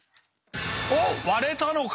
おっ割れたのか。